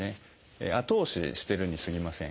後押ししてるにすぎません。